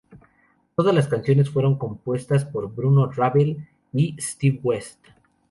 Todas las canciones fueron compuestas por Bruno Ravel y Steve West.